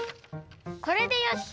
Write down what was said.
これでよし！